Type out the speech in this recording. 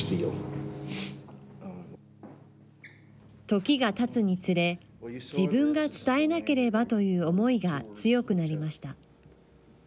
時がたつにつれ自分が伝えなければという思いが強くなりました。